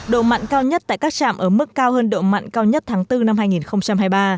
độ mặn cao nhất tại các trạm ở mức cao hơn độ mặn cao nhất tháng bốn năm hai nghìn hai mươi ba